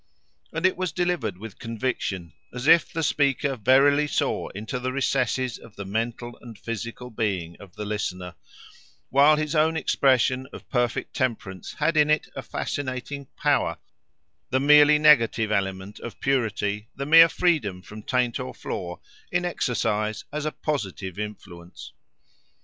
And it was delivered with conviction; as if the speaker verily saw into the recesses of the mental and physical being of the listener, while his own expression of perfect temperance had in it a fascinating power—the merely negative element of purity, the mere freedom from taint or flaw, in exercise as a positive influence.